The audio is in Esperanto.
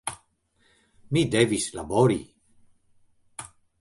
Mi devis labori.